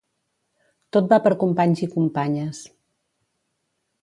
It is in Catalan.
Tot va per companys i companyes.